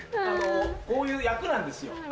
あのこういう役なんですよ。